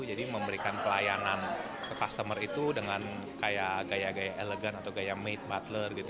jadi memberikan pelayanan ke customer itu dengan kayak gaya gaya elegan atau gaya maid butler gitu